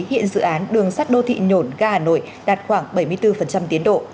hiện dự án đường sắt đô thị nhổn ga hà nội đạt khoảng bảy mươi bốn tiến độ